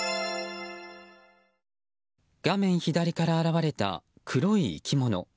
画面左から現れた黒い生き物。